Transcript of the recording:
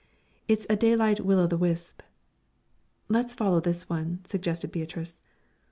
It's a daylight will o' the wisp." "Let's follow this one," suggested Beatrice.